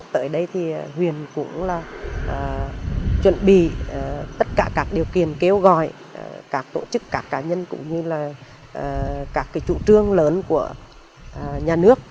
tới đây thì huyện cũng là chuẩn bị tất cả các điều kiện kêu gọi các tổ chức các cá nhân cũng như là các chủ trương lớn của nhà nước